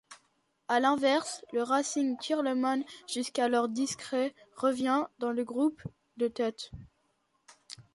À l'inverse, le Racing Tirlemont, jusqu'alors discret, revient dans le groupe de tête.